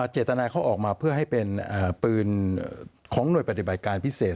เจตนาเขาออกมาเพื่อให้เป็นปืนของหน่วยปฏิบัติการพิเศษ